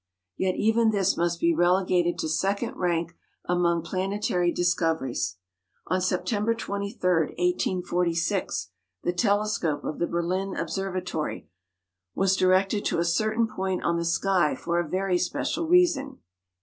Yet even this must be relegated to second rank among planetary discoveries. On September 23, 1846, the telescope of the Berlin Observatory was directed to a certain point on the sky for a very special reason.